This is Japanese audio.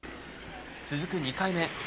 続く２回目。